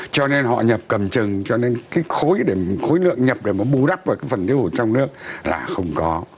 cho nên họ nhập cầm chừng cho nên cái khối lượng nhập để mà bù đắp vào cái phần thiếu hụt trong nước là không có